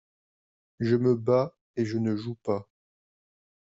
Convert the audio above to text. Je me bats et je ne joue pas.